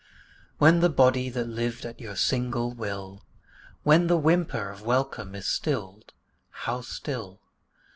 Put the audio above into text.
When the body that lived at your single will When the whimper of welcome is stilled (how still!)